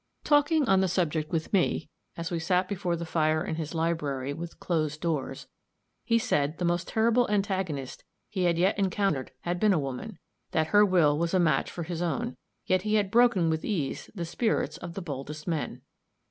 Talking on the subject with me, as we sat before the fire in his library, with closed doors, he said the most terrible antagonist he had yet encountered had been a woman that her will was a match for his own, yet he had broken with ease the spirits of the boldest men.